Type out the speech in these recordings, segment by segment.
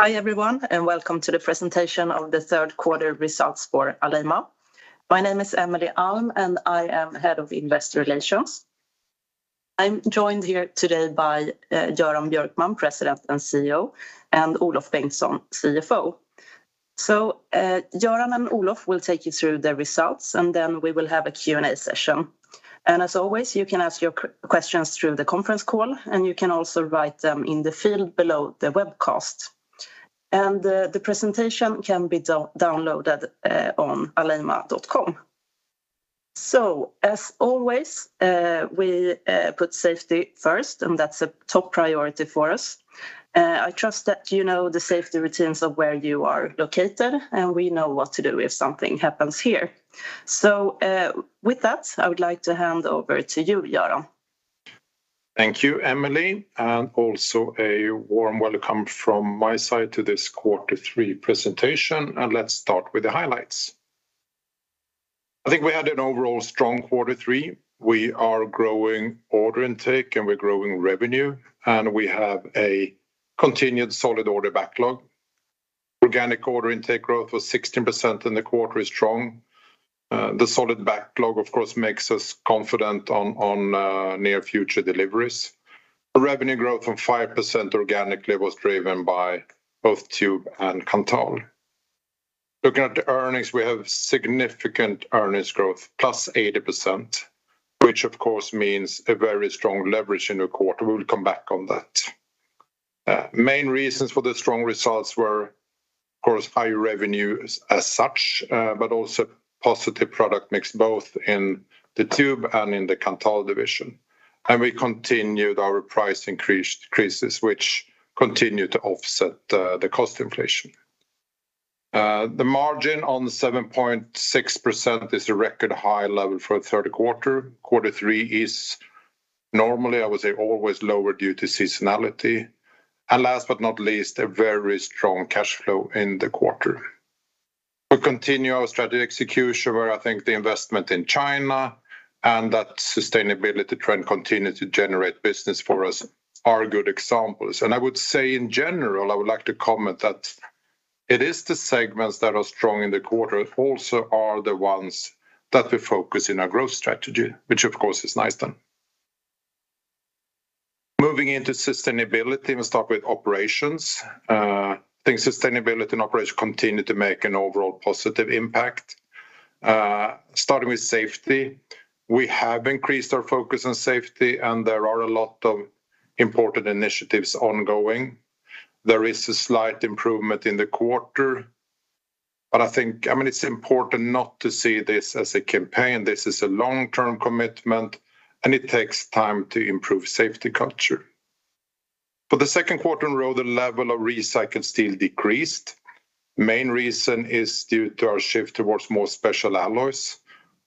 Hi, everyone, and welcome to the presentation of the third quarter results for Alleima. My name is Emelie Alm, and I am Head of Investor Relations. I'm joined here today by Göran Björkman, President and CEO, and Olof Bengtsson, CFO. So, Göran and Olof will take you through the results, and then we will have a Q&A session. And as always, you can ask your questions through the conference call, and you can also write them in the field below the webcast. And, the presentation can be downloaded on alleima.com. So, as always, we put safety first, and that's a top priority for us. I trust that you know the safety routines of where you are located, and we know what to do if something happens here. So, with that, I would like to hand over to you, Göran. Thank you, Emelie, and also a warm welcome from my side to this quarter three presentation, and let's start with the highlights. I think we had an overall strong quarter three. We are growing order intake, and we're growing revenue, and we have a continued solid order backlog. Organic order intake growth was 16%, and the quarter is strong. The solid backlog, of course, makes us confident on near future deliveries. A revenue growth from 5% organically was driven by both Tube and Kanthal. Looking at the earnings, we have significant earnings growth, +80%, which, of course, means a very strong leverage in the quarter. We'll come back on that. Main reasons for the strong results were, of course, high revenues as such, but also positive product mix, both in the Tube and in the Kanthal division. And we continued our price increase, increases, which continued to offset the cost inflation. The margin on 7.6% is a record high level for a third quarter. Quarter three is normally, I would say, always lower due to seasonality, and last but not least, a very strong cash flow in the quarter. We continue our strategy execution, where I think the investment in China and that sustainability trend continue to generate business for us are good examples. And I would say, in general, I would like to comment that it is the segments that are strong in the quarter also are the ones that we focus in our growth strategy, which, of course, is nice, then. Moving into sustainability, we'll start with operations. I think sustainability and operations continue to make an overall positive impact. Starting with safety, we have increased our focus on safety, and there are a lot of important initiatives ongoing. There is a slight improvement in the quarter, but I think, I mean, it's important not to see this as a campaign. This is a long-term commitment, and it takes time to improve safety culture. For the second quarter in a row, the level of recycled steel decreased. Main reason is due to our shift towards more special alloys,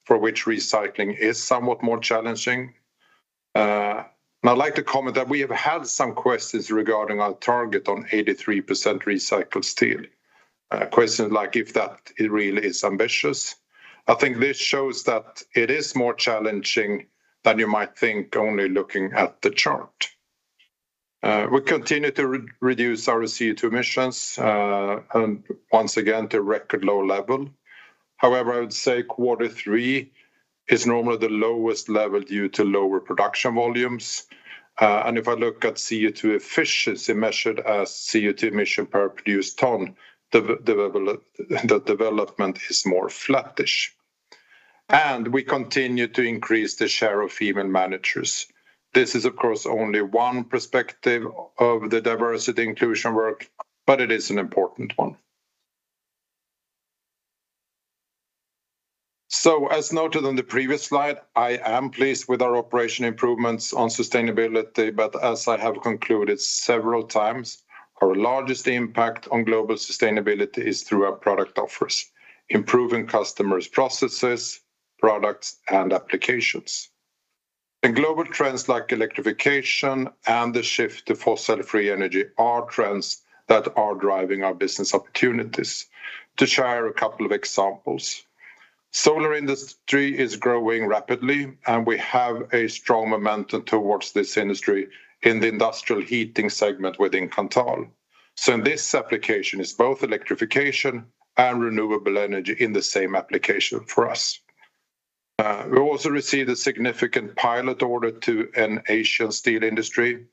for which recycling is somewhat more challenging. And I'd like to comment that we have had some questions regarding our target on 83% recycled steel. A question like if that it really is ambitious. I think this shows that it is more challenging than you might think, only looking at the chart. We continue to reduce our CO₂ emissions, and once again, to record low level. However, I would say quarter three is normally the lowest level due to lower production volumes. And if I look at CO2 efficiency, measured as CO2 emission per produced ton, the development is more flattish. And we continue to increase the share of female managers. This is, of course, only one perspective of the diversity inclusion work, but it is an important one. So, as noted on the previous slide, I am pleased with our operation improvements on sustainability, but as I have concluded several times, our largest impact on global sustainability is through our product offers, improving customers' processes, products, and applications. And global trends like electrification and the shift to fossil-free energy are trends that are driving our business opportunities. To share a couple of examples, solar industry is growing rapidly, and we have a strong momentum towards this industry in the industrial heating segment within Kanthal. So in this application, it's both electrification and renewable energy in the same application for us. We also received a significant pilot order to an Asian steel industry,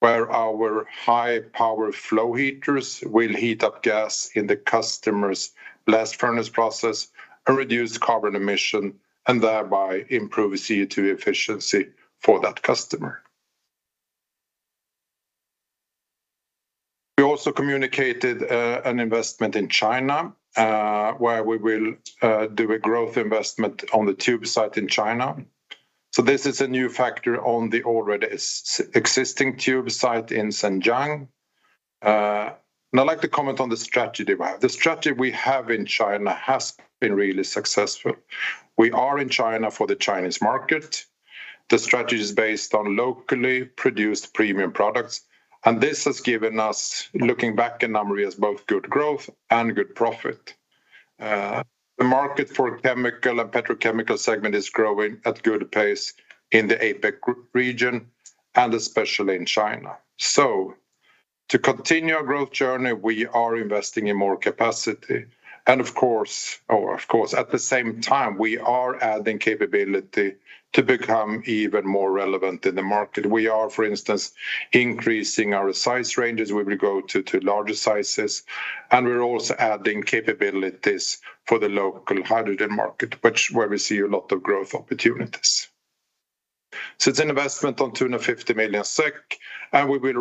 where our high-power flow heaters will heat up gas in the customer's blast furnace process and reduce carbon emission, and thereby improve CO2 efficiency for that customer. We also communicated an investment in China, where we will do a growth investment on the tube site in China. So this is a new factory on the already existing tube site in Zhenjiang. And I'd like to comment on the strategy we have. The strategy we have in China has been really successful. We are in China for the Chinese market. The strategy is based on locally produced premium products, and this has given us, looking back, in numbers, as both good growth and good profit. The market for chemical and petrochemical segment is growing at a good pace in the APAC region, and especially in China. So to continue our growth journey, we are investing in more capacity, and of course, or of course, at the same time, we are adding capability to become even more relevant in the market. We are, for instance, increasing our size ranges. We will go to larger sizes, and we're also adding capabilities for the local hydrogen market, where we see a lot of growth opportunities. So it's an investment on 250 million SEK, and we will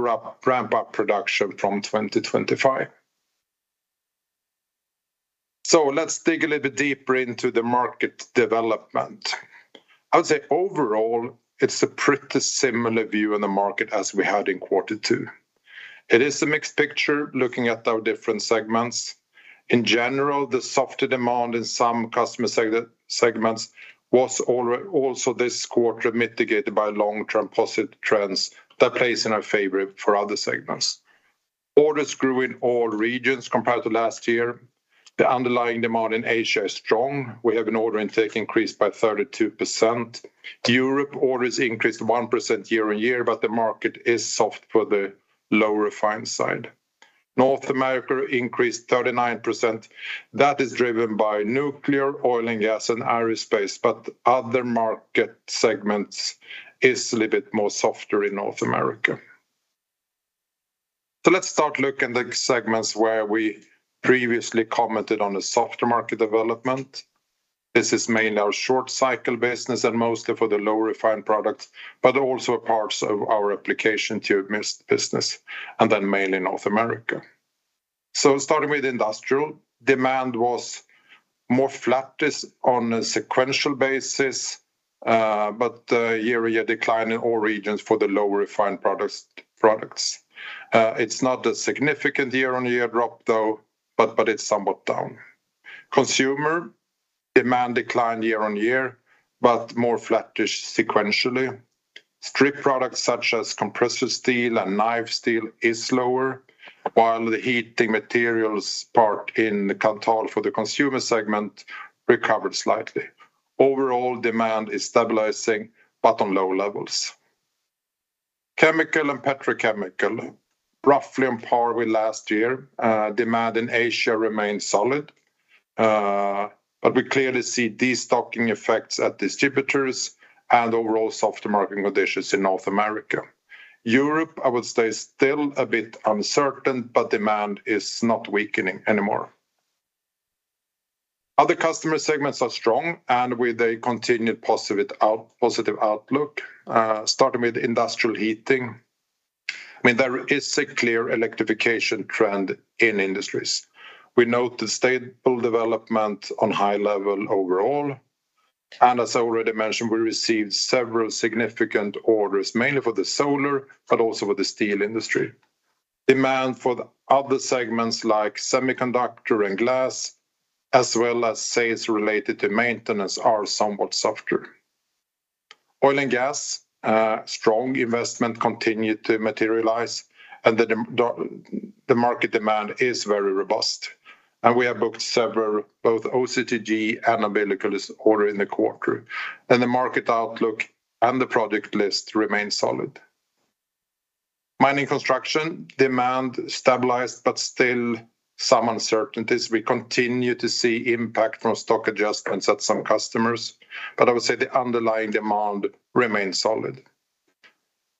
ramp up production from 2025. So let's dig a little bit deeper into the market development. I would say overall, it's a pretty similar view in the market as we had in quarter two. It is a mixed picture, looking at our different segments. In general, the softer demand in some customer segments was also this quarter mitigated by long-term positive trends that plays in our favor for other segments. Orders grew in all regions compared to last year. The underlying demand in Asia is strong. We have an order intake increase by 32%. Europe orders increased 1% year-on-year, but the market is soft for the low refined side. North America increased 39%. That is driven by nuclear, oil and gas, and aerospace, but other market segments is a little bit more softer in North America. So let's start looking at the segments where we previously commented on the softer market development. This is mainly our short cycle business and mostly for the low refined products, but also parts of our application-based business, and then mainly North America. So starting with industrial, demand was more flat on a sequential basis, but a year-on-year decline in all regions for the low refined products, products. It's not a significant year-on-year drop, though, but it's somewhat down. Consumer demand declined year-on-year, but more flattish sequentially. Strip products, such as compressor steel and knife steel, is slower, while the heating materials part in the Kanthal for the consumer segment recovered slightly. Overall, demand is stabilizing, but on low levels. Chemical and petrochemical, roughly on par with last year. Demand in Asia remains solid, but we clearly see destocking effects at distributors and overall softer market conditions in North America. Europe, I would say, is still a bit uncertain, but demand is not weakening anymore. Other customer segments are strong and with a continued positive outlook, starting with industrial heating. I mean, there is a clear electrification trend in industries. We note the stable development on high level overall, and as I already mentioned, we received several significant orders, mainly for the solar, but also for the steel industry. Demand for the other segments, like semiconductor and glass, as well as sales related to maintenance, are somewhat softer. Oil and gas, strong investment continued to materialize, and the market demand is very robust, and we have booked several, both OCTG and umbilical order in the quarter, and the market outlook and the product list remains solid. Mining construction, demand stabilized, but still some uncertainties. We continue to see impact from stock adjustments at some customers, but I would say the underlying demand remains solid.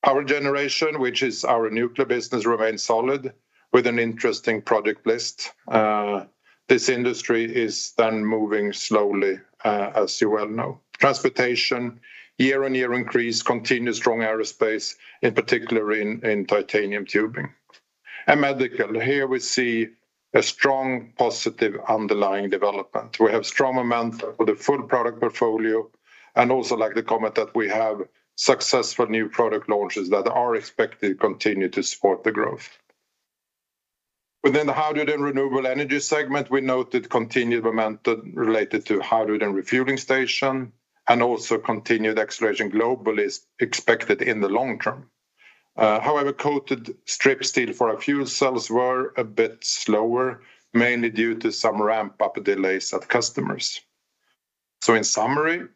Power generation, which is our nuclear business, remains solid with an interesting product list. This industry is then moving slowly, as you well know. Transportation, year-on-year increase, continued strong aerospace, in particular in titanium tubing. And medical, here we see a strong, positive, underlying development. We have strong momentum for the full product portfolio, and also like the comment that we have successful new product launches that are expected to continue to support the growth. Within the hydrogen renewable energy segment, we noted continued momentum related to hydrogen refueling station, and also continued acceleration globally is expected in the long term. However, coated strip steel for our fuel cells were a bit slower, mainly due to some ramp-up delays at customers. So in summary,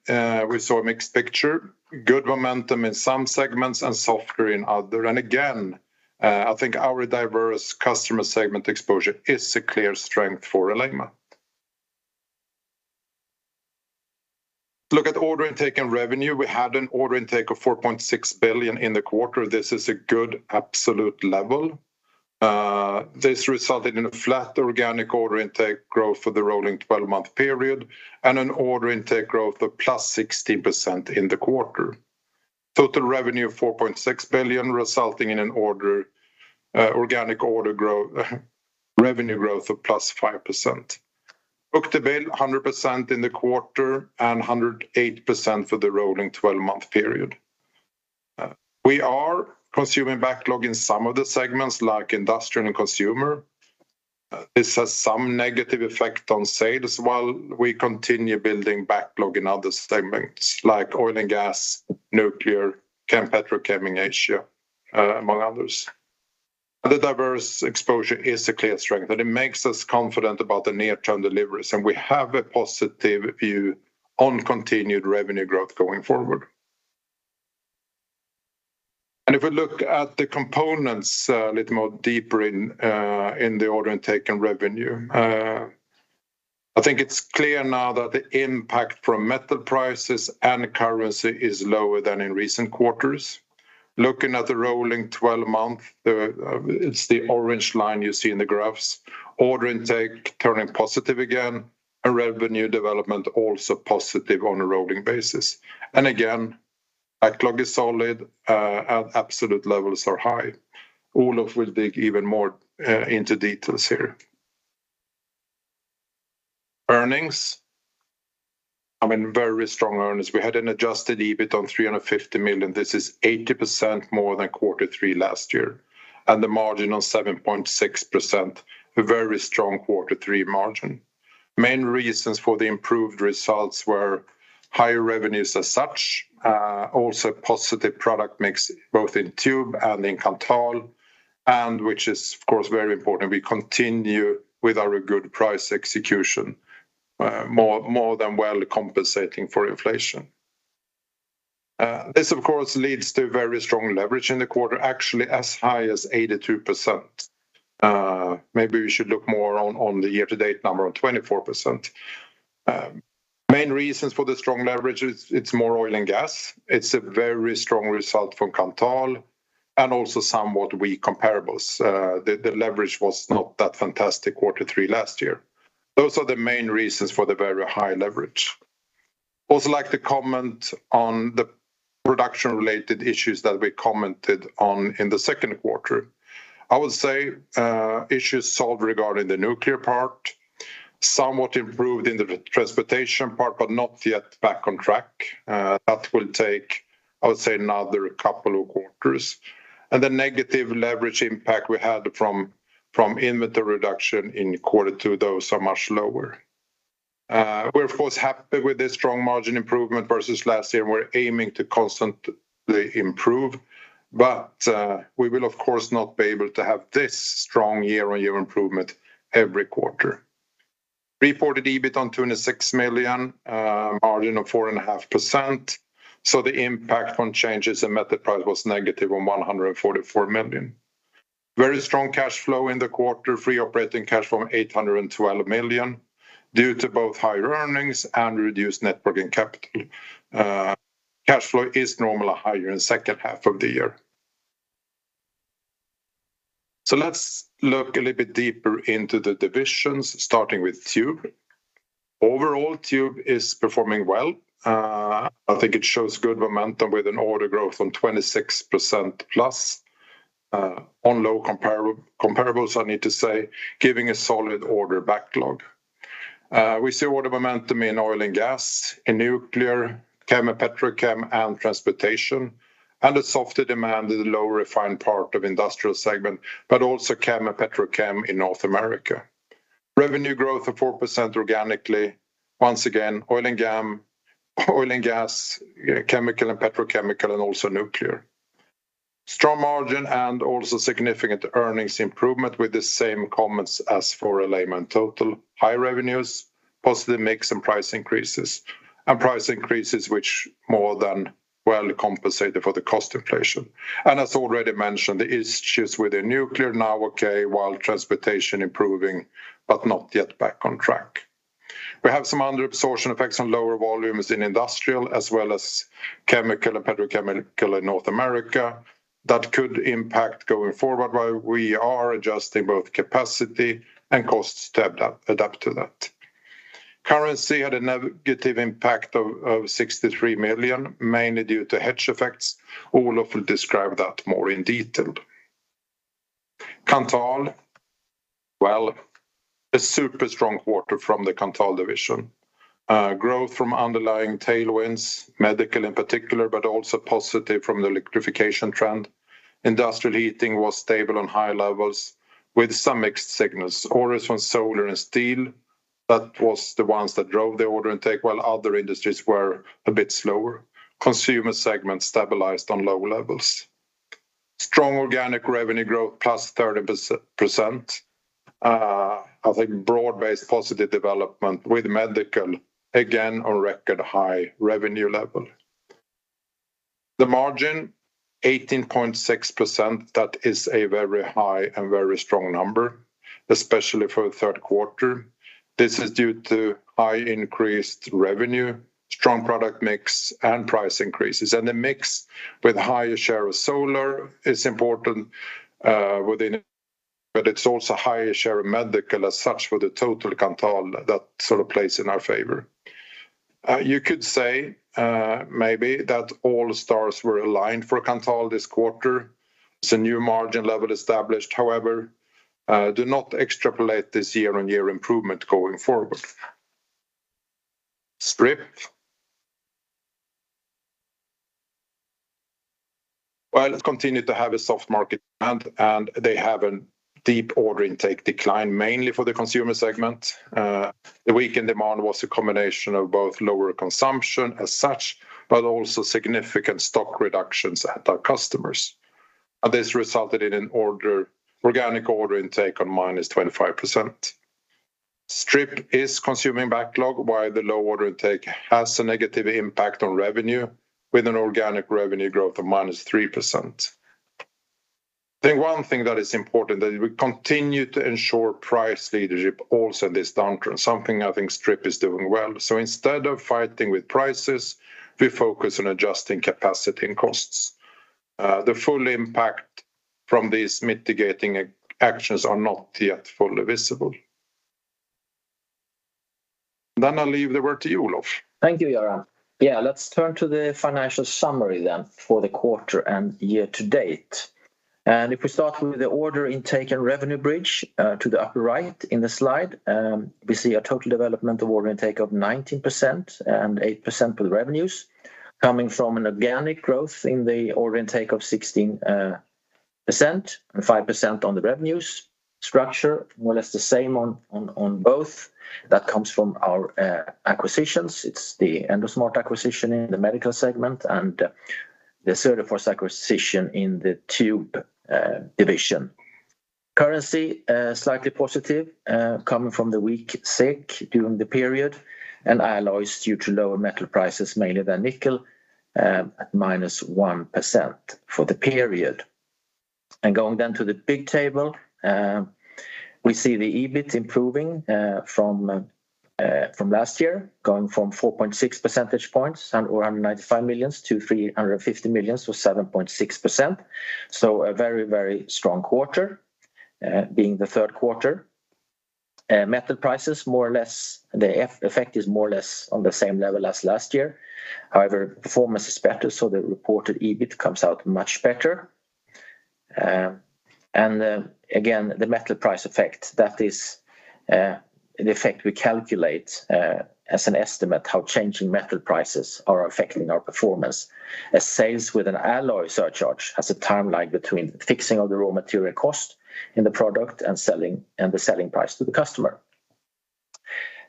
we saw a mixed picture, good momentum in some segments and softer in others. And again, I think our diverse customer segment exposure is a clear strength for Alleima. Look at order intake and revenue. We had an order intake of 4.6 billion in the quarter. This is a good absolute level. This resulted in a flat organic order intake growth for the rolling twelve-month period and an order intake growth of +60% in the quarter. Total revenue of 4.6 billion, resulting in an order, organic order growth, revenue growth of +5%. Book-to-bill, 100% in the quarter and 108% for the rolling twelve-month period. We are consuming backlog in some of the segments, like industrial and consumer. This has some negative effect on sales, while we continue building backlog in other segments, like oil and gas, nuclear, petrochemical in Asia, among others. The diverse exposure is a clear strength, and it makes us confident about the near-term deliveries, and we have a positive view on continued revenue growth going forward. And if we look at the components a little more deeper in, in the order intake and revenue, I think it's clear now that the impact from metal prices and currency is lower than in recent quarters. Looking at the rolling twelve-month, it's the orange line you see in the graphs. Order intake turning positive again, and revenue development also positive on a rolling basis. And again, backlog is solid, and absolute levels are high. Olof will dig even more into details here. Earnings, I mean, very strong earnings. We had an adjusted EBIT of 350 million. This is 80% more than quarter three last year, and the margin on 7.6%, a very strong quarter three margin. Main reasons for the improved results were higher revenues as such, also positive product mix, both in Tube and in Kanthal, and which is, of course, very important, we continue with our good price execution, more than well compensating for inflation. This, of course, leads to very strong leverage in the quarter, actually, as high as 82%. Maybe we should look more on, on the year-to-date number of 24%. Main reasons for the strong leverage, it's, it's more oil and gas. It's a very strong result from Kanthal and also somewhat weak comparables. The leverage was not that fantastic quarter three last year. Those are the main reasons for the very high leverage. Also, I'd like to comment on the production-related issues that we commented on in the second quarter. I would say, issues solved regarding the nuclear part, somewhat improved in the transportation part, but not yet back on track. That will take, I would say, another couple of quarters. And the negative leverage impact we had from inventory reduction in quarter two, those are much lower. We're, of course, happy with this strong margin improvement versus last year, and we're aiming to constantly improve, but we will, of course, not be able to have this strong year-on-year improvement every quarter. Reported EBIT of 26 million, margin of 4.5%, so the impact from changes in metal price was negative of 144 million. Very strong cash flow in the quarter, free operating cash flow of 812 million, due to both higher earnings and reduced net working capital. Cash flow is normally higher in the second half of the year. Let's look a little bit deeper into the divisions, starting with Tube. Overall, Tube is performing well. I think it shows good momentum with an order growth of 26%+, on low comparables, I need to say, giving a solid order backlog. We see order momentum in oil and gas, in nuclear, chem and petrochem, and transportation, and a softer demand in the lower refined part of industrial segment, but also chem and petrochem in North America. Revenue growth of 4% organically, once again, oil and gas, oil and gas, chemical and petrochemical, and also nuclear. Strong margin and also significant earnings improvement, with the same comments as for Alleima Total. High revenues, positive mix and price increases, and price increases which more than well compensated for the cost inflation. As already mentioned, the issues with the nuclear now okay, while transportation improving, but not yet back on track. We have some underabsorption effects on lower volumes in industrial, as well as chemical and petrochemical in North America. That could impact going forward, while we are adjusting both capacity and costs to adapt to that. Currency had a negative impact of 63 million, mainly due to hedge effects. Olof will describe that more in detail. Kanthal, well, a super strong quarter from the Kanthal division. Growth from underlying tailwinds, medical in particular, but also positive from the electrification trend. Industrial heating was stable on high levels with some mixed signals. Orders from solar and steel, that was the ones that drove the order intake, while other industries were a bit slower. Consumer segment stabilized on low levels. Strong organic revenue growth, +30%. I think broad-based positive development with medical, again, on record high revenue level. The margin, 18.6%, that is a very high and very strong number, especially for the third quarter. This is due to high increased revenue, strong product mix, and price increases. The mix with higher share of solar is important. But it's also higher share of medical as such for the total Kanthal that sort of plays in our favor. You could say, maybe that all stars were aligned for Kanthal this quarter. It's a new margin level established, however, do not extrapolate this year-on-year improvement going forward. Strip. Well, it continued to have a soft market. The order intake declined mainly for the consumer segment. The weakened demand was a combination of both lower consumption as such, but also significant stock reductions at our customers. And this resulted in organic order intake on -25%. Strip is consuming backlog, while the low order intake has a negative impact on revenue, with an organic revenue growth of -3%. I think one thing that is important, that we continue to ensure price leadership also in this downturn, something I think Strip is doing well. So instead of fighting with prices, we focus on adjusting capacity and costs. The full impact from these mitigating actions are not yet fully visible. Then I'll leave the word to you, Olof. Thank you, Göran. Yeah, let's turn to the financial summary then for the quarter and year to date. If we start with the order intake and revenue bridge to the upper right in the slide, we see a total development of order intake of 19% and 8% for the revenues, coming from an organic growth in the order intake of 16% and 5% on the revenues structure, more or less the same on both. That comes from our acquisitions. It's the Endosmart acquisition in the medical segment and the Söderfors acquisition in the tube division. Currency slightly positive, coming from the weak SEK during the period, and alloys, due to lower metal prices, mainly the nickel, at -1% for the period. Going down to the big table, we see the EBIT improving, from, from last year, going from 4.6 percentage points or 195 million to 350 million, so 7.6%. A very, very strong quarter, being the third quarter. Metal prices, more or less, the effect is more or less on the same level as last year. However, performance is better, so the reported EBIT comes out much better. Again, the metal price effect, that is, the effect we calculate, as an estimate, how changing metal prices are affecting our performance. As sales with an alloy surcharge has a timeline between fixing of the raw material cost in the product and selling, and the selling price to the customer.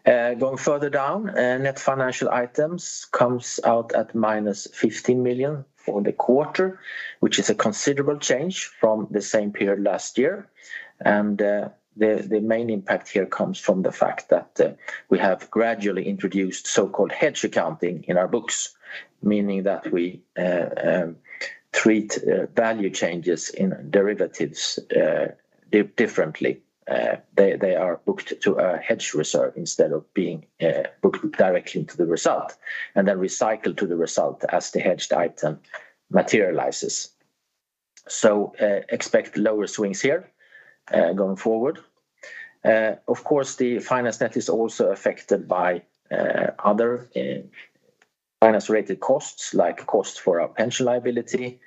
Going further down, net financial items comes out at -15 million for the quarter, which is a considerable change from the same period last year. The main impact here comes from the fact that we have gradually introduced so-called hedge accounting in our books, meaning that we treat value changes in derivatives differently. They are booked to a hedge reserve instead of being booked directly to the result, and then recycled to the result as the hedged item materializes. Expect lower swings here going forward. Of course, the finance net is also affected by other finance-related costs, like costs for our pension liability,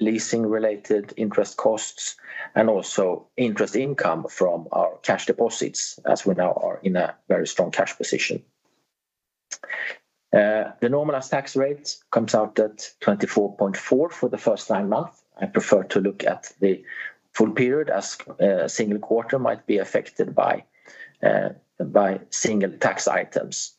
leasing-related interest costs, and also interest income from our cash deposits, as we now are in a very strong cash position. The normalized tax rate comes out at 24.4% for the first nine months. I prefer to look at the full period, as a single quarter might be affected by single tax items.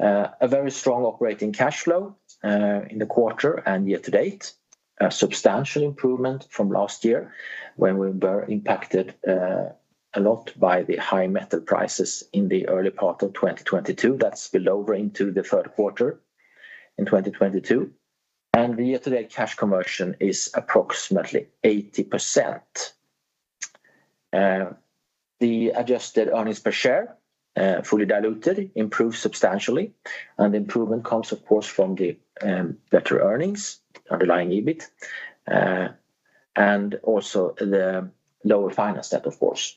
A very strong operating cash flow in the quarter and year to date. A substantial improvement from last year, when we were impacted a lot by the high metal prices in the early part of 2022. That's spillover into the third quarter in 2022. And the year-to-date cash conversion is approximately 80%. The adjusted earnings per share, fully diluted, improved substantially, and improvement comes, of course, from the better earnings, underlying EBIT, and also the lower finance net, of course.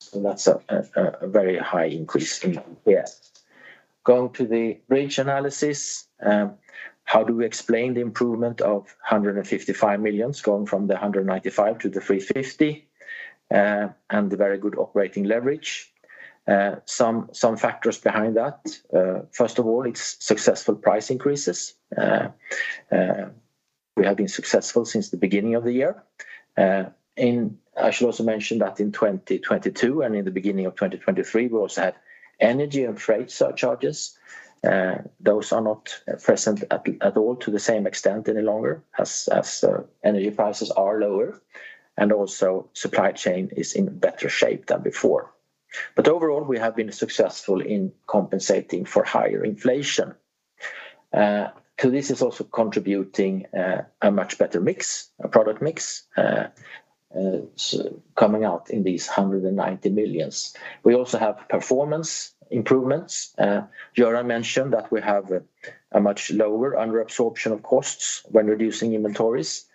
So that's a very high increase in here. Going to the bridge analysis, how do we explain the improvement of 155 million, going from the 195 million to the 350 million, and the very good operating leverage? Some factors behind that, first of all, it's successful price increases. We have been successful since the beginning of the year. And I should also mention that in 2022, and in the beginning of 2023, we also had energy and freight surcharges. Those are not present at all to the same extent any longer, as energy prices are lower, and also supply chain is in better shape than before. But overall, we have been successful in compensating for higher inflation. To this is also contributing, a much better mix, a product mix, coming out in these 190 million. We also have performance improvements. Göran mentioned that we have a much lower underabsorption of costs when reducing inventories.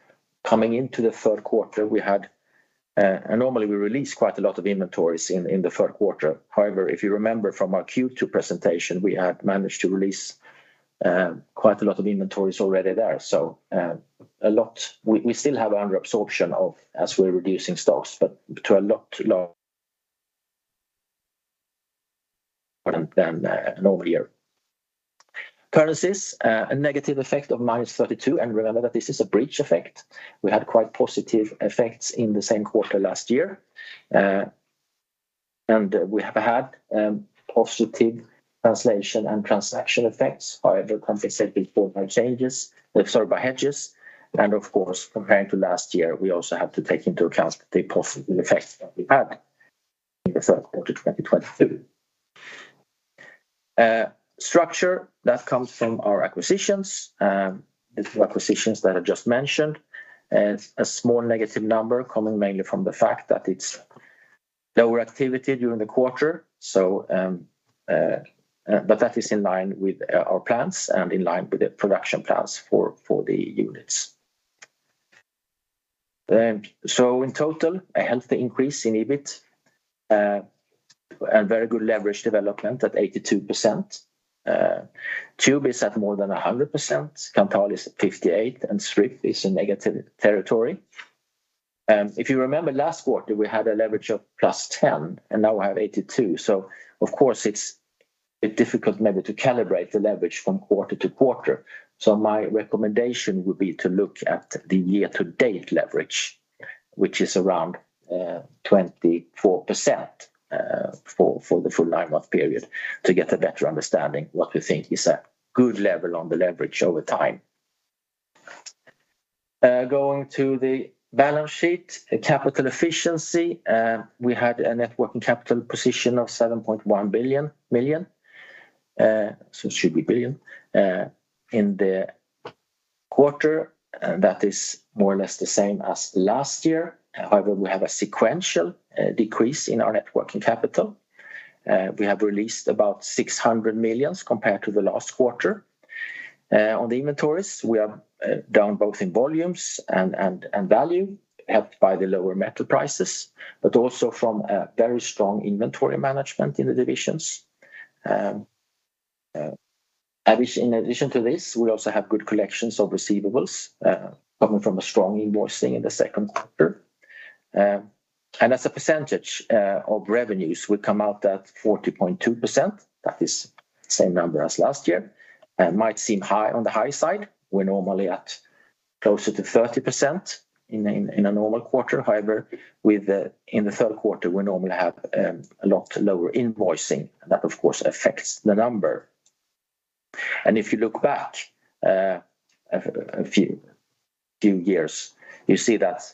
Coming into the third quarter, we had... Normally, we release quite a lot of inventories in the third quarter. However, if you remember from our Q2 presentation, we had managed to release quite a lot of inventories already there. We still have underabsorption as we're reducing stocks, but to a lot lower... than over here. Currencies, a negative effect of -32, and remember that this is a breach effect. We had quite positive effects in the same quarter last year. We have had positive translation and transaction effects, however, compensated for by changes, sorry, by hedges. Of course, comparing to last year, we also have to take into account the positive effects that we had in the third quarter 2022. Structure that comes from our acquisitions, these are acquisitions that I just mentioned, and a small negative number coming mainly from the fact that it's lower activity during the quarter. So, but that is in line with our plans and in line with the production plans for the units. So in total, a healthy increase in EBIT, and very good leverage development at 82%. Tube is at more than 100%, Kanthal is at 58%, and Strip is in negative territory. If you remember last quarter, we had a leverage of +10, and now we have 82. So of course, it's a bit difficult maybe to calibrate the leverage from quarter to quarter. So my recommendation would be to look at the year-to-date leverage, which is around 24%, for the full nine-month period, to get a better understanding what we think is a good level on the leverage over time. Going to the balance sheet, the capital efficiency, we had a net working capital position of 7.1 billion in the quarter, that is more or less the same as last year. However, we have a sequential decrease in our net working capital. We have released about 600 million compared to the last quarter. On the inventories, we are down both in volumes and value, helped by the lower metal prices, but also from a very strong inventory management in the divisions. In addition to this, we also have good collections of receivables coming from a strong invoicing in the second quarter. As a percentage of revenues, we come out at 40.2%. That is the same number as last year, and might seem high on the high side. We're normally at closer to 30% in a normal quarter. However, in the third quarter, we normally have a lot lower invoicing, and that, of course, affects the number. If you look back a few years, you see that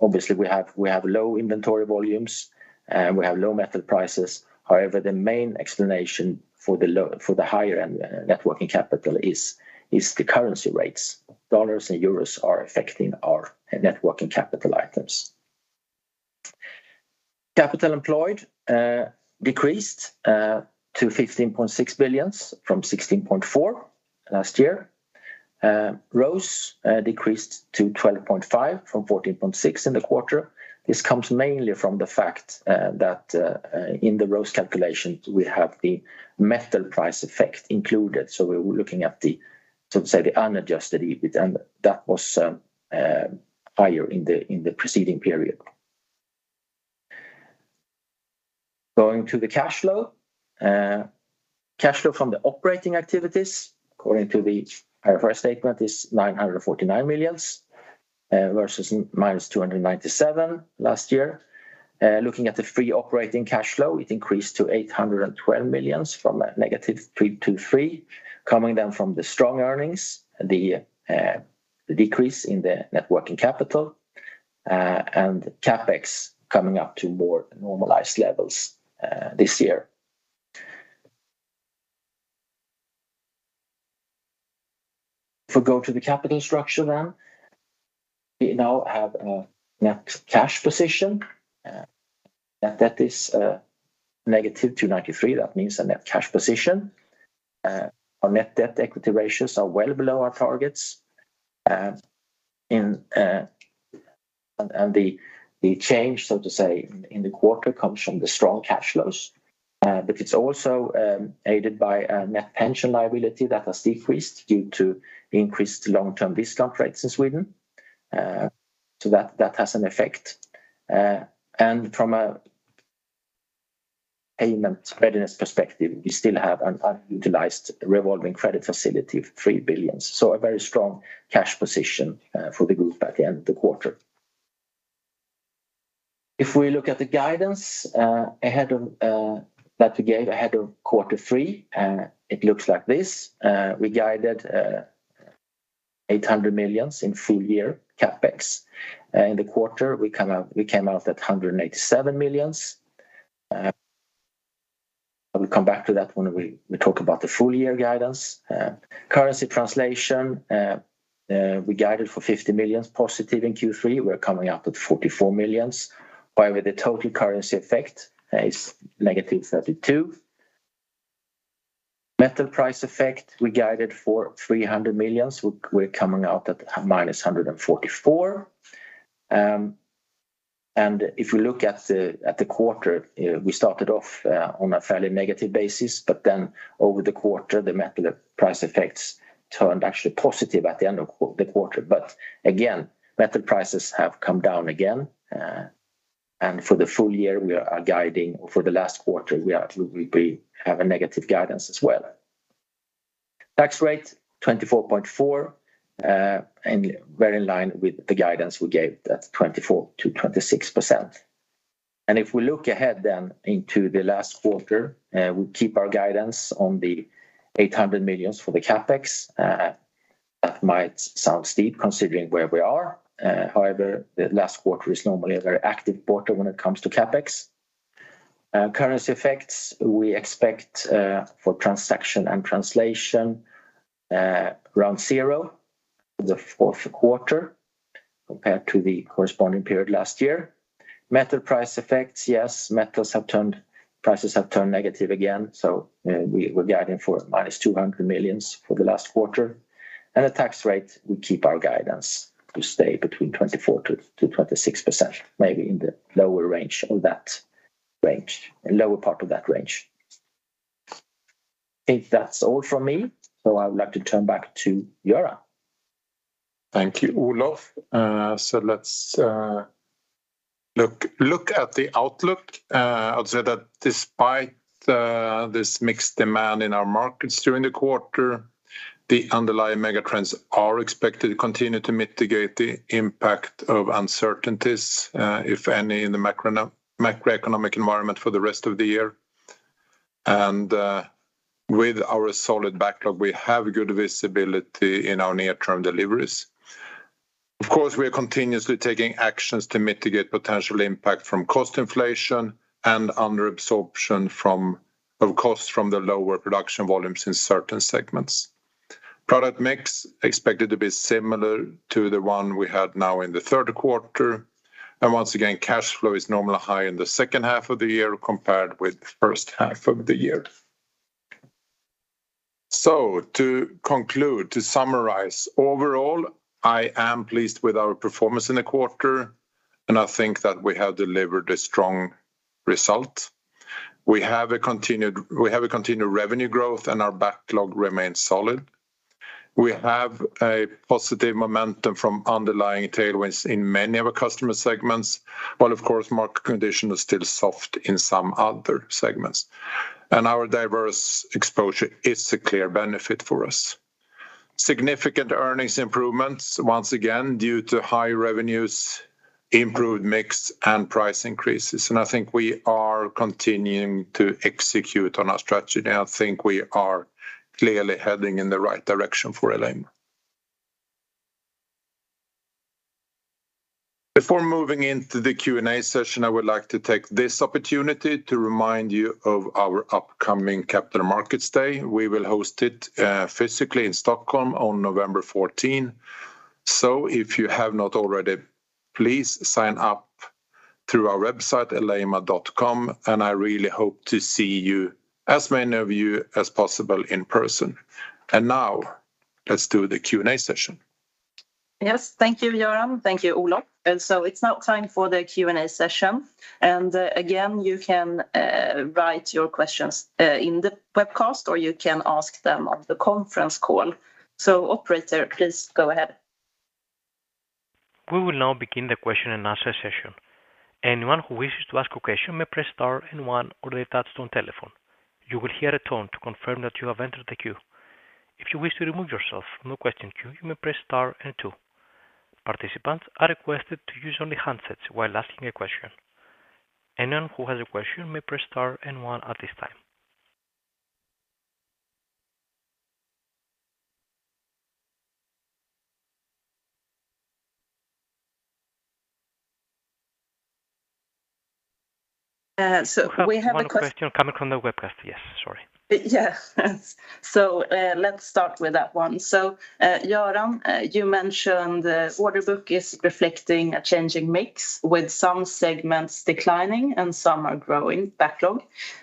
obviously, we have low inventory volumes, and we have low metal prices. However, the main explanation for the higher end net working capital is the currency rates. Dollars and euros are affecting our net working capital items. Capital employed decreased to 15.6 billion from 16.4 billion last year. ROCE decreased to 12.5 from 14.6 in the quarter. This comes mainly from the fact that in the ROCE calculation, we have the metal price effect included. So we're looking at the, so to say, the unadjusted EBIT, and that was higher in the preceding period. Going to the cash flow. Cash flow from the operating activities, according to the IFRS statement, is 949 million versus -297 million last year. Looking at the free operating cash flow, it increased to 812 million from a negative 33 million, coming from the strong earnings, the decrease in the net working capital, and CapEx coming up to more normalized levels this year. If we go to the capital structure then, we now have a net cash position that is negative 293. That means a net cash position. Our net debt equity ratios are well below our targets, and the change, so to say, in the quarter comes from the strong cash flows, but it's also aided by a net pension liability that has decreased due to increased long-term discount rates in Sweden. So that has an effect. And from a payment readiness perspective, we still have an unutilized revolving credit facility of 3 billion. So a very strong cash position for the group at the end of the quarter. If we look at the guidance ahead of that we gave ahead of quarter three, it looks like this. We guided 800 million in full year CapEx. In the quarter, we came out at 187 million. We'll come back to that when we talk about the full year guidance. Currency translation, we guided for 50 million positive in Q3. We're coming out at 44 million, while the total currency effect is negative 32. Metal price effect, we guided for 300 million. We're coming out at minus 144. And if you look at the, at the quarter, we started off, on a fairly negative basis, but then over the quarter, the metal price effects turned actually positive at the end of the quarter. But again, metal prices have come down again, and for the full year, we are guiding, for the last quarter, we have a negative guidance as well. Tax rate, 24.4%, and very in line with the guidance we gave, that's 24%-26%. And if we look ahead then into the last quarter, we keep our guidance on 800 million for the CapEx. That might sound steep considering where we are, however, the last quarter is normally a very active quarter when it comes to CapEx. Currency effects, we expect, for transaction and translation, around 0 for the fourth quarter compared to the corresponding period last year. Metal price effects, yes, prices have turned negative again, so, we, we're guiding for -200 million for the last quarter. And the tax rate, we keep our guidance to stay between 24%-26%, maybe in the lower range of that range, the lower part of that range. I think that's all from me, so I would like to turn back to Göran. Thank you, Olof. So let's look at the outlook. I would say that despite this mixed demand in our markets during the quarter, the underlying megatrends are expected to continue to mitigate the impact of uncertainties, if any, in the macroeconomic environment for the rest of the year. With our solid backlog, we have good visibility in our near-term deliveries. Of course, we are continuously taking actions to mitigate potential impact from cost inflation and under absorption from, of course, from the lower production volumes in certain segments. Product mix expected to be similar to the one we had now in the third quarter, and once again, cash flow is normally high in the second half of the year compared with the first half of the year. So to conclude, to summarize, overall, I am pleased with our performance in the quarter, and I think that we have delivered a strong result. We have a continued, we have a continued revenue growth, and our backlog remains solid. We have a positive momentum from underlying tailwinds in many of our customer segments, while, of course, market condition is still soft in some other segments. And our diverse exposure is a clear benefit for us. Significant earnings improvements, once again, due to high revenues, improved mix, and price increases, and I think we are continuing to execute on our strategy, and I think we are clearly heading in the right direction for Alleima. Before moving into the Q&A session, I would like to take this opportunity to remind you of our upcoming Capital Markets Day. We will host it physically in Stockholm on November 14. If you have not already, please sign up through our website, alleima.com, and I really hope to see you, as many of you as possible, in person. Now, let's do the Q&A session. Yes. Thank you, Göran. Thank you, Olof. And so it's now time for the Q&A session, and, again, you can write your questions in the webcast, or you can ask them on the conference call. So operator, please go ahead. We will now begin the question and answer session. Anyone who wishes to ask a question may press star and one on the attached telephone. You will hear a tone to confirm that you have entered the queue. If you wish to remove yourself from the question queue, you may press star and two. Participants are requested to use only handsets while asking a question. Anyone who has a question may press star and one at this time. So we have a One question coming from the webcast. Yes, sorry. Yes. So, let's start with that one. So, Göran, you mentioned the order book is reflecting a changing mix with some segments declining and some are growing backlog.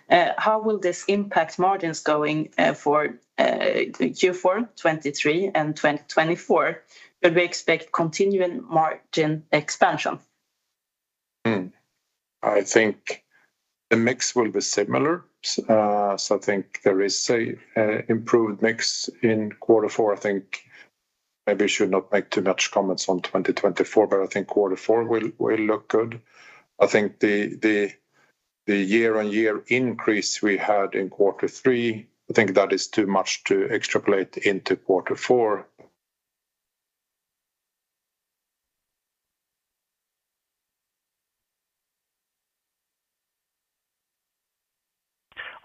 How will this impact margins going for Q4 2023 and 2024? Do we expect continuing margin expansion? I think the mix will be similar. So I think there is an improved mix in quarter four. I think maybe I should not make too much comments on 2024, but I think quarter four will look good. I think the year-on-year increase we had in quarter three, I think that is too much to extrapolate into quarter four.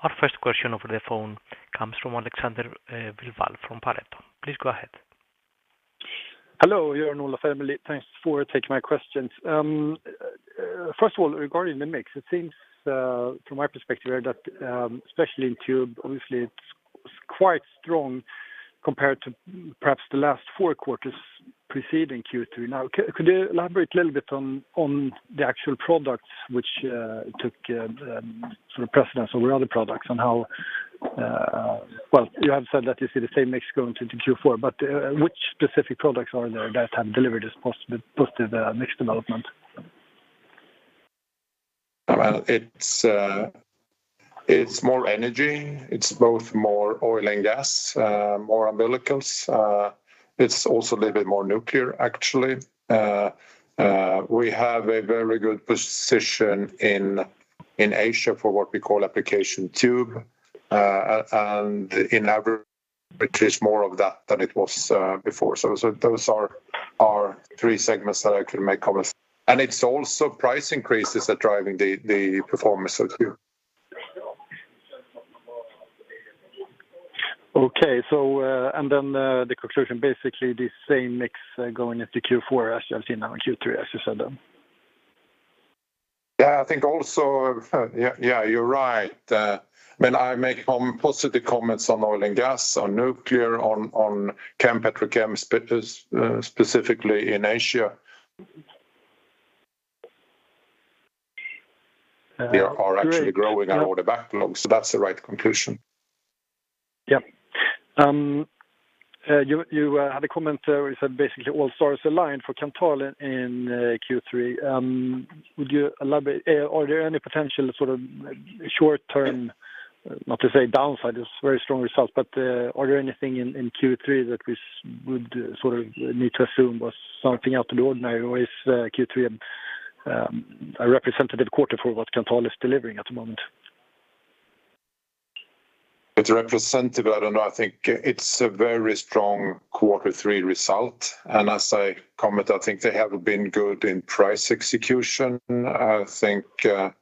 Our first question over the phone comes from Alexander Vilval from Pareto. Please go ahead. Hello, Göran and Olof, everybody. Thanks for taking my questions. First of all, regarding the mix, it seems from my perspective that, especially in tube, obviously it's quite strong compared to perhaps the last four quarters preceding Q3. Now, could you elaborate a little bit on the actual products which took sort of precedence over other products and how... Well, you have said that you see the same mix going into Q4, but which specific products are there that have delivered this positive, positive mix development? Well, it's more energy, it's both more oil and gas, more umbilicals, it's also a little bit more nuclear, actually. We have a very good position in Asia for what we call application tube, and in average, which is more of that than it was before. So those are our three segments that I can make comments. And it's also price increases that are driving the performance of here. Okay, so, and then, the conclusion, basically the same mix, going into Q4 as you have seen now in Q3, as you said then? Yeah, I think also— Yeah, yeah, you're right. When I make positive comments on oil and gas, on nuclear, on, on chem, petrochem, specifically in Asia. Yeah. Are actually growing our order backlogs, so that's the right conclusion. Yeah. You had a comment there where you said basically all stars aligned for Kanthal in Q3. Would you elaborate? Are there any potential sort of short-term, not to say downside, it's very strong results, but are there anything in Q3 that we would sort of need to assume was something out of the ordinary, or is Q3 a representative quarter for what Kanthal is delivering at the moment? It's representative, I don't know. I think it's a very strong quarter three result. And as I comment, I think they have been good in price execution. I think, the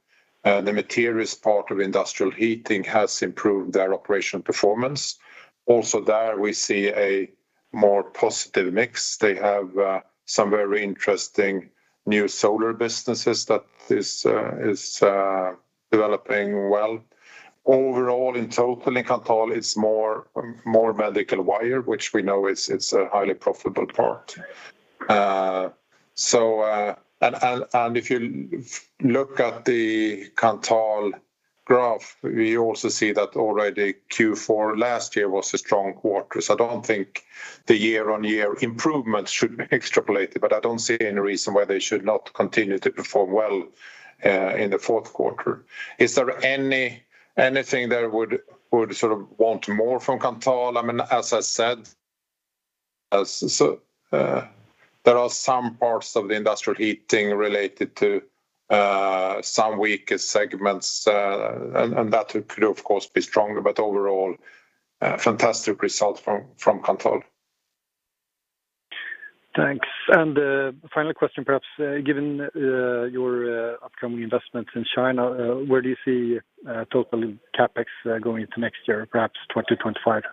materials part of industrial heating has improved their operational performance. Also, there, we see a more positive mix. They have, some very interesting new solar businesses that is developing well. Overall, in total, in Kanthal, it's more medical wire, which we know is- it's a highly profitable part. So, and, and, and if you look at the Kanthal graph, we also see that already Q4 last year was a strong quarter. So I don't think the year-on-year improvement should be extrapolated, but I don't see any reason why they should not continue to perform well, in the fourth quarter. Is there anything that I would sort of want more from Kanthal? I mean, as I said, so there are some parts of the industrial heating related to some weaker segments, and that could, of course, be stronger, but overall, a fantastic result from Kanthal. Thanks. And final question, perhaps, given your upcoming investment in China, where do you see total CapEx going into next year, perhaps 2025?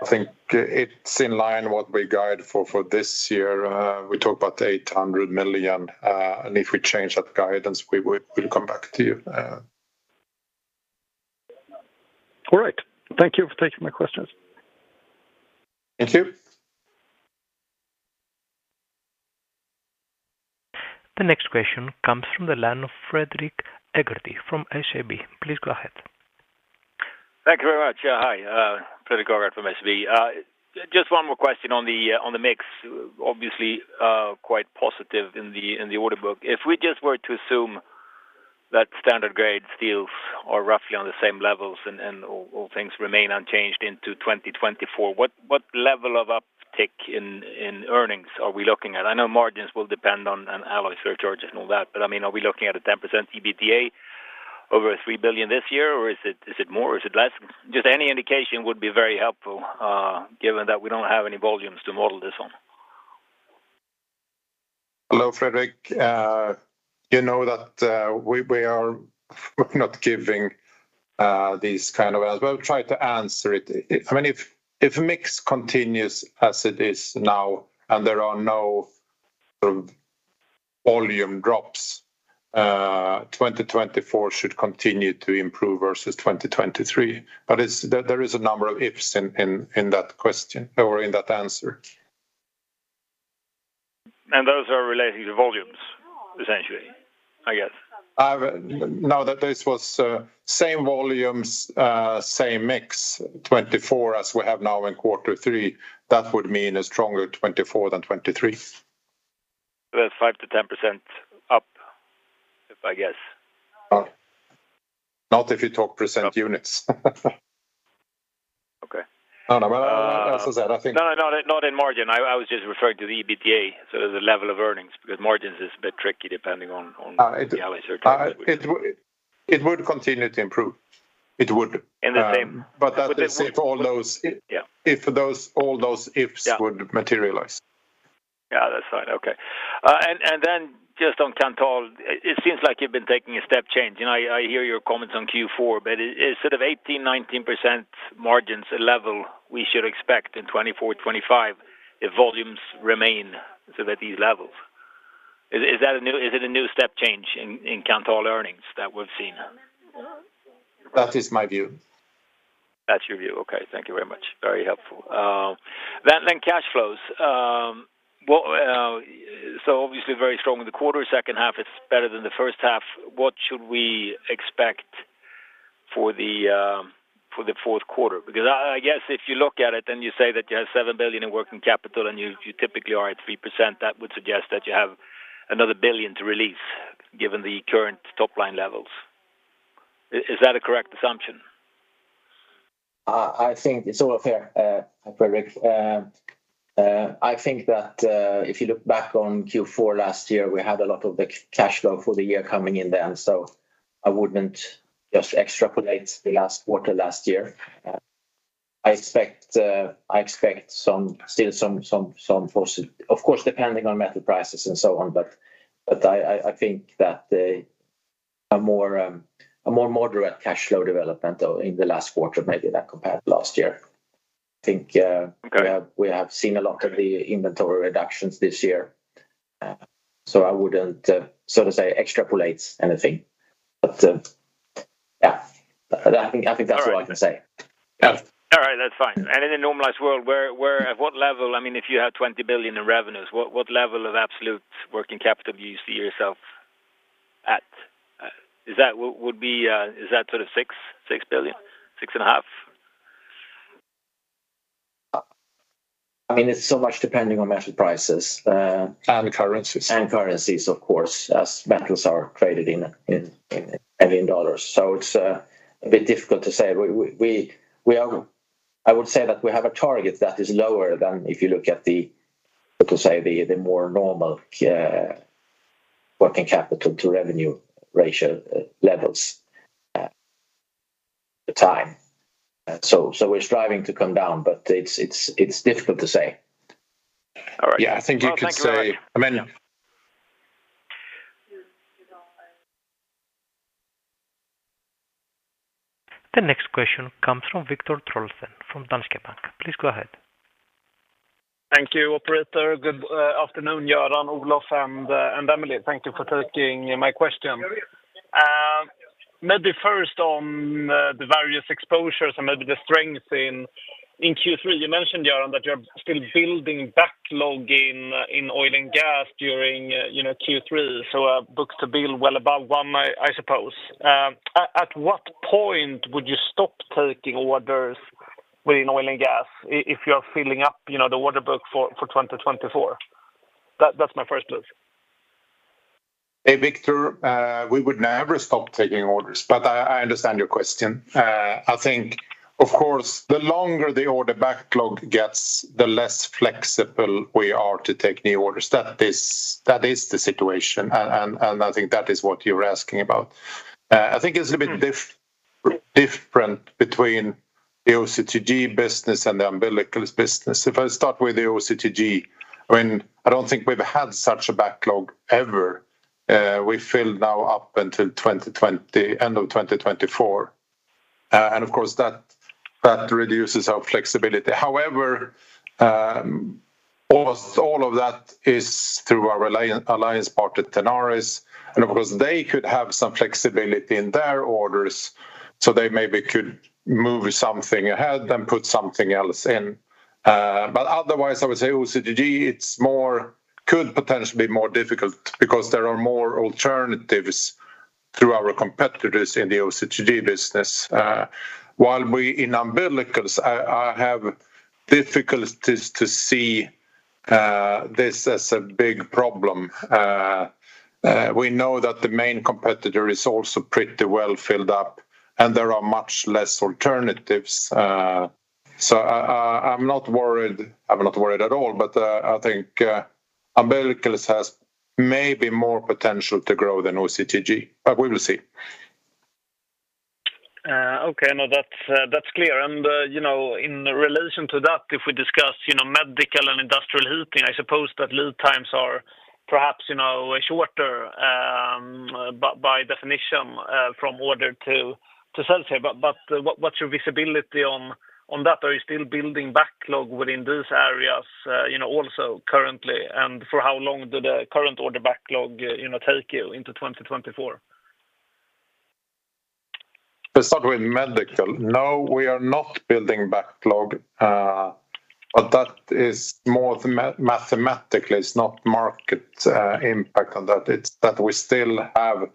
I think it's in line what we guide for, for this year. We talked about 800 million, and if we change that guidance, we'll come back to you. All right. Thank you for taking my questions. Thank you. The next question comes from the line of Fredrik Agardh from SEB. Please go ahead. Thank you very much. Yeah, hi, Fredrik Agardh from SEB. Just one more question on the mix. Obviously, quite positive in the order book. If we just were to assume that standard grade steels are roughly on the same levels and all things remain unchanged into 2024, what level of uptick in earnings are we looking at? I know margins will depend on alloy surcharges and all that, but I mean, are we looking at a 10% EBITDA over 3 billion this year, or is it more, is it less? Just any indication would be very helpful, given that we don't have any volumes to model this on. Hello, Fredrik. You know that, we are not giving these kind of... Well, I'll try to answer it. I mean, if mix continues as it is now, and there are no sort of volume drops, 2024 should continue to improve versus 2023. But there is a number of ifs in that question or in that answer. Those are relating to volumes, essentially, I guess. Now that this was same volumes, same mix, 2024 as we have now in quarter three, that would mean a stronger 2024 than 2023. That's 5%-10% up, if I guess. Not if you talk percent units. Okay. No, no, but as I said, I think- No, no, not in margin. I, I was just referring to the EBIT, so the level of earnings, because margins is a bit tricky depending on, on- Uh the alloy surcharges. It would continue to improve. It would. In the same- But that is if all those- Yeah. If all those ifs- Yeah -would materialize. Yeah, that's fine. Okay. And then just on Kanthal, it seems like you've been taking a step change. You know, I hear your comments on Q4, but is sort of 18%-19% margins a level we should expect in 2024, 2025 if volumes remain so at these levels? Is it a new step change in Kanthal earnings that we've seen? That is my view. That's your view. Okay, thank you very much. Very helpful. Then, then cash flows. What... So obviously, very strong in the quarter, second half, it's better than the first half. What should we expect... for the fourth quarter? Because I guess if you look at it, and you say that you have 7 billion in working capital, and you typically are at 3%, that would suggest that you have another 1 billion to release, given the current top-line levels. Is that a correct assumption? I think it's all fair, Fredrik. I think that if you look back on Q4 last year, we had a lot of the cash flow for the year coming in then, so I wouldn't just extrapolate the last quarter last year. I expect some still positive... Of course, depending on metal prices and so on, but I think that a more moderate cash flow development in the last quarter, maybe than compared to last year. I think, Okay... we have, we have seen a lot of the inventory reductions this year. So I wouldn't, so to say, extrapolate anything. But, yeah, I think, I think that's all I can say. All right. That's fine. In a normalized world, where at what level... I mean, if you have 20 billion in revenues, what level of absolute working capital do you see yourself at? Is that what would be, is that sort of 6 billion, SEK 6.5 billion? I mean, it's so much depending on metal prices. And currencies. And currencies, of course, as metals are traded in dollars. So it's a bit difficult to say. We are—I would say that we have a target that is lower than if you look at the, let us say, the more normal working capital to revenue ratio levels at the time. So we're striving to come down, but it's difficult to say. All right. Yeah, I think you could say- Thank you very much. I mean- The next question comes from Viktor Trollsten from Danske Bank. Please go ahead. Thank you, operator. Good afternoon, Göran, Olof, and Emelie. Thank you for taking my question. Maybe first on the various exposures and maybe the strength in Q3. You mentioned, Göran, that you're still building backlog in oil and gas during Q3, so book-to-bill well above one, I suppose. At what point would you stop taking orders within oil and gas if you are filling up the order book for 2024? That's my first look. Hey, Viktor. We would never stop taking orders, but I understand your question. I think, of course, the longer the order backlog gets, the less flexible we are to take new orders. That is the situation, and I think that is what you're asking about. I think it's a bit different between the OCTG business and the umbilical business. If I start with the OCTG, I mean, I don't think we've had such a backlog ever. We filled now up until end of 2024. And of course, that reduces our flexibility. However, almost all of that is through our alliance partner, Tenaris, and of course, they could have some flexibility in their orders, so they maybe could move something ahead, then put something else in. But otherwise, I would say OCTG, it's more, could potentially be more difficult because there are more alternatives through our competitors in the OCTG business. While we, in umbilicals, I have difficulties to see this as a big problem. We know that the main competitor is also pretty well filled up, and there are much less alternatives. So I, I'm not worried. I'm not worried at all, but I think umbilicals has maybe more potential to grow than OCTG, but we will see. Okay. No, that's, that's clear. And, you know, in relation to that, if we discuss, you know, medical and industrial heating, I suppose that lead times are perhaps, you know, shorter, by definition, from order to sell here. But, what, what's your visibility on that? Are you still building backlog within these areas, you know, also currently? And for how long do the current order backlog, you know, take you into 2024? Let's start with medical. No, we are not building backlog, but that is more than mathematically. It's not market impact on that. It's that we still have...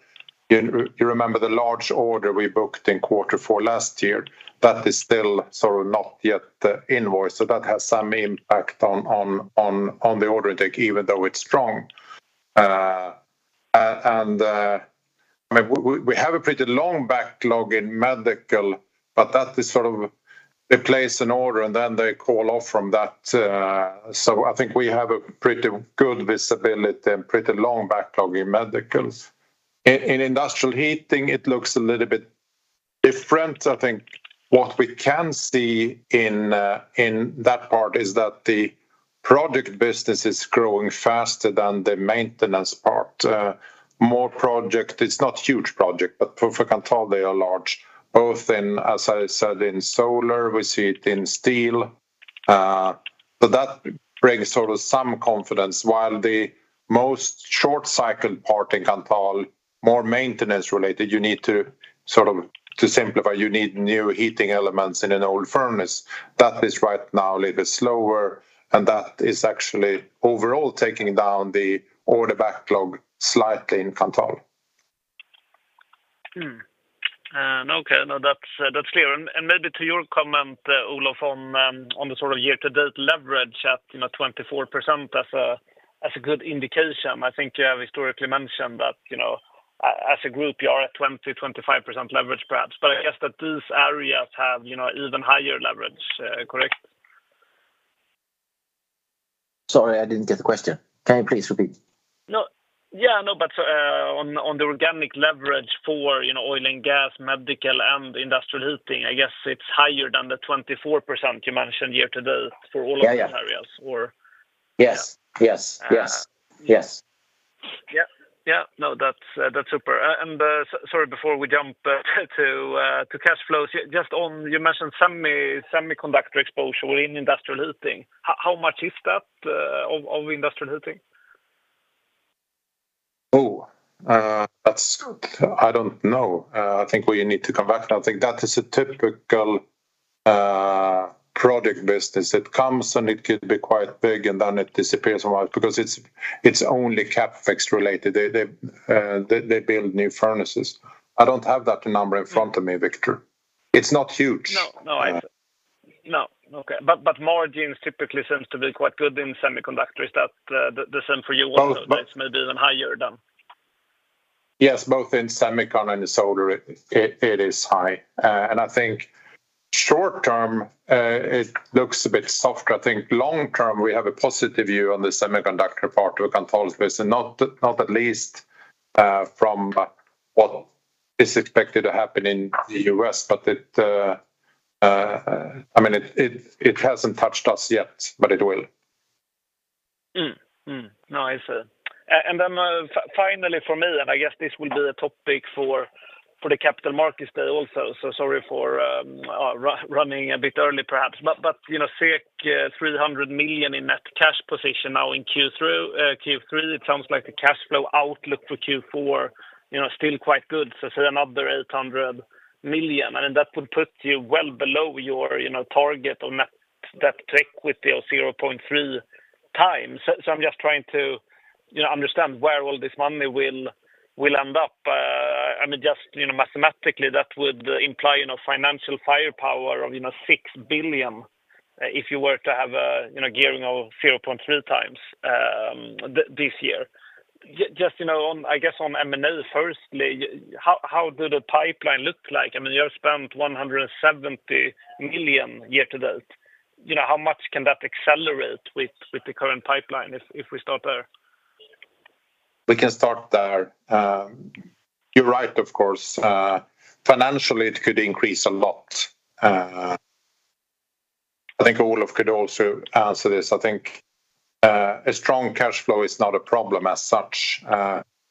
You remember the large order we booked in quarter four last year, that is still sort of not yet invoiced. So that has some impact on the order intake, even though it's strong. And I mean, we have a pretty long backlog in medical, but that is sort of they place an order, and then they call off from that. So I think we have a pretty good visibility and pretty long backlog in medical. In industrial heating, it looks a little bit different. I think what we can see in that part is that the project business is growing faster than the maintenance part. More projects, it's not huge projects, but for, for Kanthal, they are large, both in, as I said, in solar, we see it in steel. But that brings sort of some confidence, while the most short cycle part in Kanthal, more maintenance-related, you need to, sort of to simplify, you need new heating elements in an old furnace. That is right now a little bit slower, and that is actually overall taking down the order backlog slightly in Kanthal. No, okay. No, that's clear. And maybe to your comment, Olof, on the sort of year-to-date leverage at, you know, 24% as a good indication. I think you have historically mentioned that, you know, as a group, you are at 20-25% leverage, perhaps. But I guess that these areas have, you know, even higher leverage, correct? Sorry, I didn't get the question. Can you please repeat? No. Yeah, no, but on the organic leverage for, you know, oil and gas, medical, and industrial heating, I guess it's higher than the 24% you mentioned year to date for all of- Yeah, yeah those areas or? Yes. Yes, yes. Uh- Yes. Yeah. Yeah. No, that's super. And sorry, before we jump to cash flows, just on... You mentioned semi, semiconductor exposure in industrial heating. How much is that of industrial heating? I don't know. I think we need to come back. I think that is a typical product business. It comes, and it could be quite big, and then it disappears a while because it's only CapEx related. They build new furnaces. I don't have that number in front of me, Victor. It's not huge. No, no. No. Okay, but margins typically seems to be quite good in semiconductor. Is that, the, the same for you also? Both, both. Maybe even higher than? Yes, both in semicon and in solar, it is high. And I think short term, it looks a bit softer. I think long term, we have a positive view on the semiconductor part of controls business, not at least, from what is expected to happen in the U.S. But I mean, it hasn't touched us yet, but it will. Mm-hmm. Mm-hmm. No, I see. And then finally, for me, and I guess this will be a topic for the capital markets day also. So sorry for running a bit early, perhaps. But you know, 300 million in net cash position now in Q3, Q3. It sounds like the cash flow outlook for Q4, you know, still quite good. So another 800 million, and that would put you well below your, you know, target on net, that equity of 0.3 times. So I'm just trying to, you know, understand where all this money will end up. I mean, just, you know, mathematically, that would imply, you know, financial firepower of, you know, 6 billion, if you were to have a, you know, gearing of 0.3 times, this year. Just, you know, on, I guess, on M&A, firstly, how does the pipeline look like? I mean, you have spent 170 million year to date. You know, how much can that accelerate with, with the current pipeline, if we start there? We can start there. You're right, of course. Financially, it could increase a lot. I think Olof could also answer this. I think a strong cash flow is not a problem as such.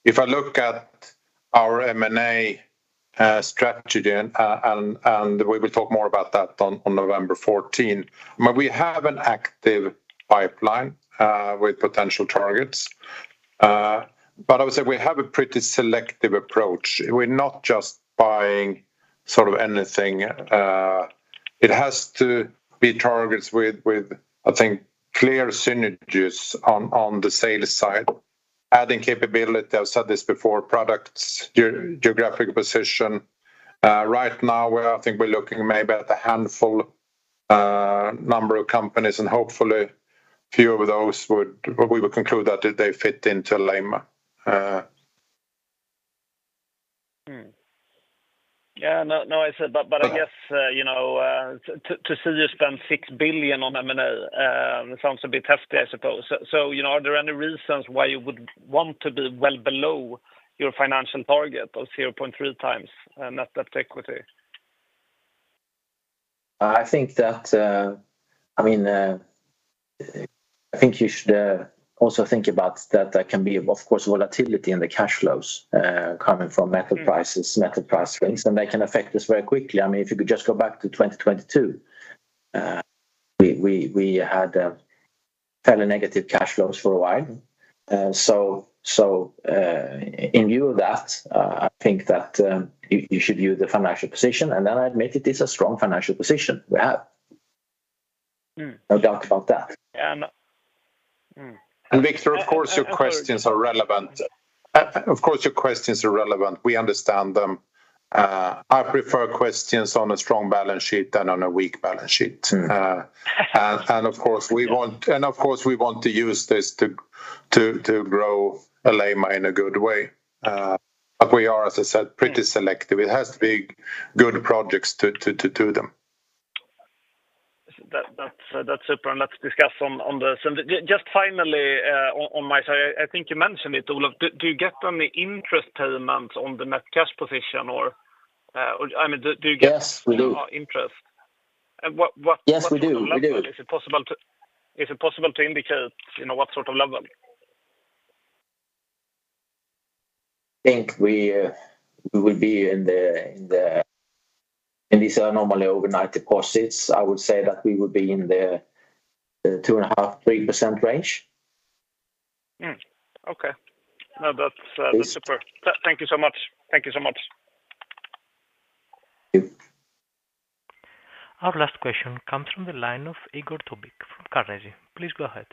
If I look at our M&A strategy, and we will talk more about that on November 14. I mean, we have an active pipeline with potential targets. But I would say we have a pretty selective approach. We're not just buying sort of anything. It has to be targets with, with I think, clear synergies on the sales side, adding capability. I've said this before, products, geographic position. Right now, we're—I think we're looking maybe at a handful number of companies, and hopefully, a few of those would... We would conclude that they fit into Alleima. Hmm. Yeah. No, no, I see. Uh. But I guess, you know, to see you spend 6 billion on M&A, it sounds a bit hefty, I suppose. So you know, are there any reasons why you would want to be well below your financial target of 0.3 times net equity? I think that, I mean, I think you should also think about that there can be, of course, volatility in the cash flows coming from metal prices. Mm-hmm metal price swings, and they can affect us very quickly. I mean, if you could just go back to 2022, we had fairly negative cash flows for a while. So, in view of that, I think that you should view the financial position, and then I admit it is a strong financial position we have. Mm-hmm. No doubt about that. Yeah, and. And Victor, of course, your questions are relevant. Of course, your questions are relevant. We understand them. I prefer questions on a strong balance sheet than on a weak balance sheet. Mm-hmm. And of course, we want to use this to grow Alleima in a good way. But we are, as I said, pretty selective. It has to be good projects to them. That's super, and let's discuss on this. And just finally, on my side, I think you mentioned it, Olof. Do you get any interest payments on the net cash position or, I mean, do you get- Yes, we do. -interest? And what, what- Yes, we do. We do. Is it possible to indicate, you know, what sort of level? I think we will be in the... And these are normally overnight deposits. I would say that we would be in the 2.5-3% range. Okay. Now, that's, Yes That's super. Thank you so much. Thank you so much. Thank you. Our last question comes from the line of Igor Tubic from Carnegie. Please go ahead. ...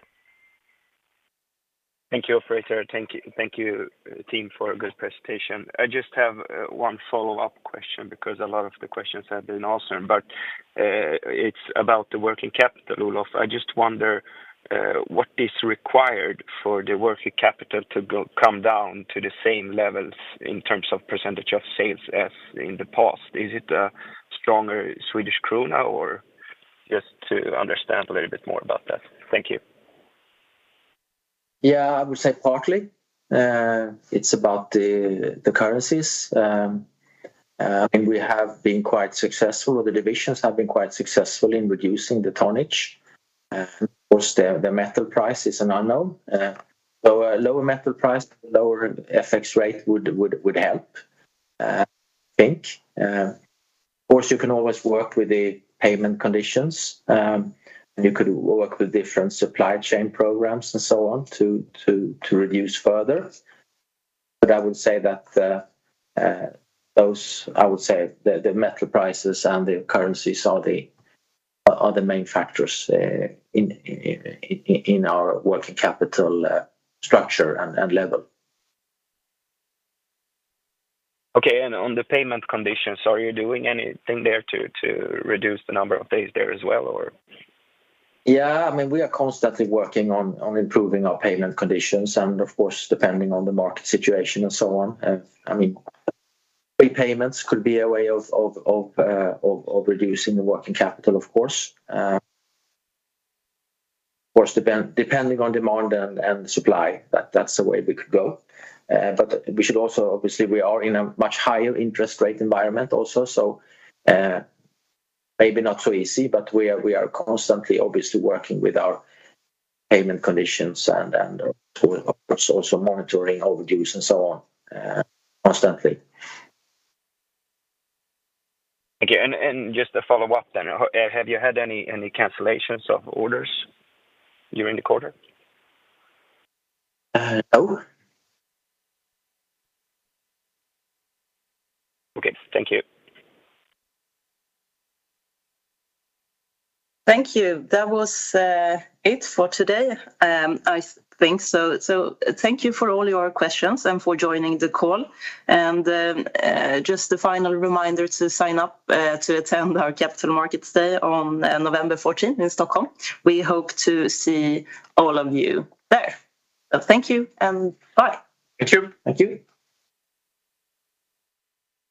Thank you, Fraser. Thank you, thank you, team, for a good presentation. I just have one follow-up question because a lot of the questions have been answered, but it's about the working capital, Olof. I just wonder what is required for the working capital to come down to the same levels in terms of percentage of sales as in the past? Is it a stronger Swedish krona, or just to understand a little bit more about that? Thank you. Yeah, I would say partly, it's about the currencies. And we have been quite successful, or the divisions have been quite successful in reducing the tonnage. Of course, the metal price is an unknown. So a lower metal price, lower FX rate would help, I think. Of course, you can always work with the payment conditions, and you could work with different supply chain programs and so on, to reduce further. But I would say that, I would say the metal prices and the currencies are the main factors in our working capital structure and level. Okay, and on the payment conditions, are you doing anything there to, to reduce the number of days there as well, or? Yeah. I mean, we are constantly working on improving our payment conditions, and of course, depending on the market situation and so on. I mean, prepayments could be a way of reducing the working capital, of course. Of course, depending on demand and supply, that's the way we could go. But we should also... Obviously, we are in a much higher interest rate environment also, so maybe not so easy, but we are constantly obviously working with our payment conditions and, of course, also monitoring overages and so on, constantly. Okay, and just a follow-up then. Have you had any, any cancellations of orders during the quarter? Uh, no. Okay. Thank you. Thank you. That was it for today, I think so. So thank you for all your questions and for joining the call. And just a final reminder to sign up to attend our Capital Markets Day on November 14th in Stockholm. We hope to see all of you there. But thank you, and bye. Thank you. Thank you